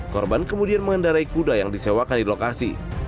korban kemudian mengendarai kuda yang disewakan di lokasi